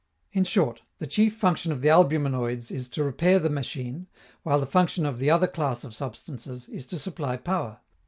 In short, the chief function of the albuminoids is to repair the machine, while the function of the other class of substances is to supply power.